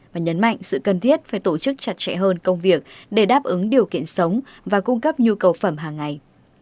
và nhấn mạnh sự cần thiết phải tổ chức chặt chẽ hơn công việc để đáp ứng điều kiện sống và cung cấp nhu cầu phẩm hàng ngày